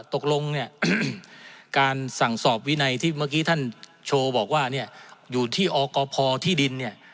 ตกลงการสั่งสอบวินัยที่เมื่อกี้ท่านโชว์บอกว่าอยู่ที่ออกอพอที่ดิน